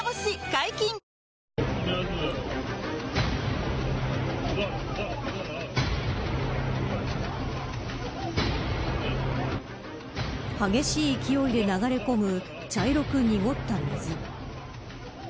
解禁‼激しい勢いで流れ込む茶色く濁った水。